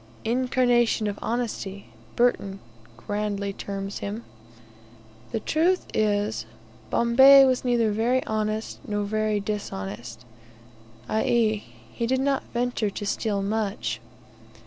"Incarnation of honesty" Burton grandly terms him. The truth is, Bombay was neither very honest nor very dishonest, i.e., he did not venture to steal much.